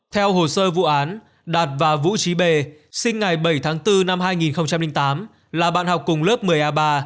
theo hồ sơ vụ án đạt và vũ trí bề sinh ngày bảy tháng bốn năm hai nghìn tám là bạn học cùng lớp một mươi a ba